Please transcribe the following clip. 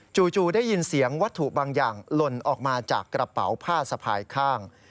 จู่ได้ยินเสียงวัตถุบางอย่างหล่นออกมาจากกระเป๋าผ้าสะพายข้าง